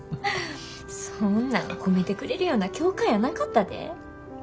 そんなん褒めてくれるような教官やなかったで。